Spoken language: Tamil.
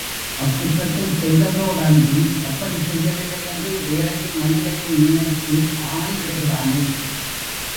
அக்குற்றத்தைச் செய்ததோடன்றி, அப்படிச் செய்யவில்லை என்று வேலையும் மயிலையும் நினைத்து ஆணை இடுகிறானே!